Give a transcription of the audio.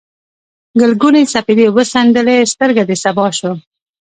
ګلګونې سپېدې وڅنډلې، سترګه د سبا شوم